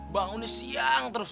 bangun siang terus